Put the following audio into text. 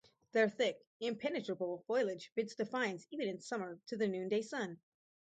Their thick impenetrable foliage bids defiance even in summer to the noonday sun.